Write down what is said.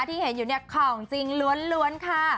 ที่เห็นอยู่เนี่ยของจริงล้วนค่ะ